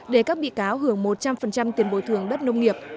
để các bị cáo hưởng một trăm linh tiền bồi thường đất nông nghiệp